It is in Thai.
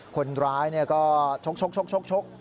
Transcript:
คนร้ายก็ชก